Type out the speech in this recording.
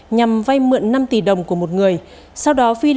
nhằm vay mượn năm tỷ đồng của một người